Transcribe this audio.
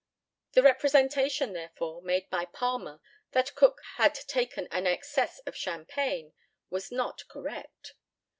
The representation, therefore, made by Palmer, that Cook had taken an excess of champagne, was not correct.